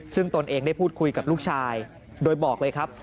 ซึ่งตนเองได้พูดคุยกับลูกชายโดยบอกเลยครับ